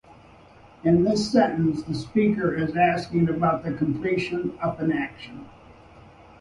In this sentence, the speaker is asking about the completion of an action.